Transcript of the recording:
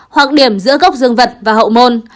hoặc điểm giữa gốc dương vật và hậu môn